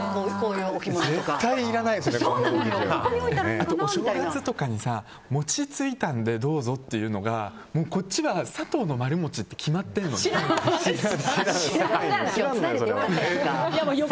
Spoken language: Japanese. お正月とかに餅ついたのでどうぞっていうのがこっちは佐藤の丸餅って決まってるのよ。